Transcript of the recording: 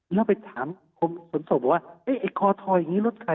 แล้วไปถามผมสนสมว่าไอ้คอทออย่างนี้รถขาย